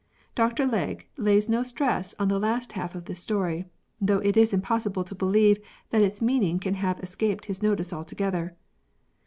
Dr Legge lays no stress on the last half of this story — though it is impossible to believe that its meaning can have escaped his notice altogether.